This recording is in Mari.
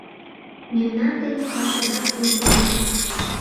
Мемнан дене пашада уке.